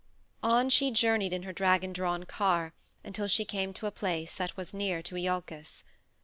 On she journeyed in her dragon drawn car until she came to a place that was near to Iolcus.